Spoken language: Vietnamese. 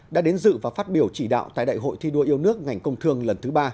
đã đến dự và phát biểu chỉ đạo tại đại hội thi đua yêu nước ngành công thương lần thứ ba